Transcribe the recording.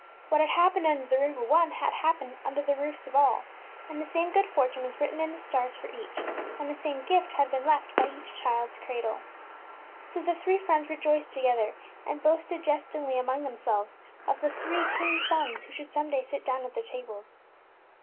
What had happened under the Wbtn <HHeabec0 roof of one had happened under the roofs of all, and the same good fortune was written in the stars for each, and the same gift had been left by each childŌĆÖs cradle. So the three friends rejoiced to gether, and boasted jest ingly among themselves of the three kingsŌĆÖ sons who should some day sit down at their tables.